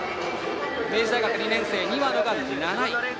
明治大学２年生、庭野が７位。